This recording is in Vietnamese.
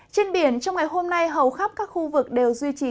trên biển trong ngày hôm nay hầu khắp các khu vực đều duy trì